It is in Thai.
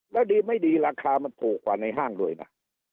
แล้วดีไม่ดีราคามันถูกกว่าในห้างด้วยนะ